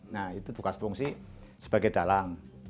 nah itu tugas fungsi sebagai dalang